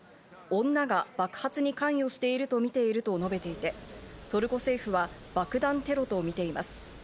女が爆発に関与していると見ていると述べていて、トルコ政府は爆弾テロとみています。